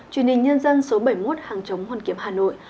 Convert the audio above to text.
truyền hình nhân dân số bảy mươi một hàng chống hoàn kiếm hà nội